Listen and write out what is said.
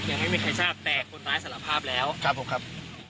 ยังไม่มีใครทราบแต่คนร้ายสารภาพแล้วครับผมครับ